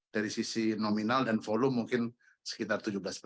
dari sisi nominal dan volume mungkin sekitar tujuh belas empat puluh